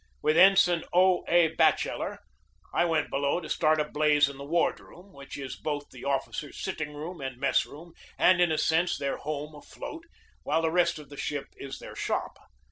With Ensign O. A. Batcheller I went below to start a blaze in the wardroom, which is both the officers' sitting room and mess room and, in a sense, their home afloat, while the rest of the ship is their shop.